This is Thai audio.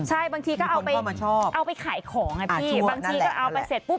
ใช่บางทีก็เอาไปขายของบางทีก็เอาไปเสร็จปุ๊บ